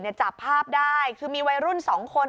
จับภาพได้คือมีวัยรุ่นสองคน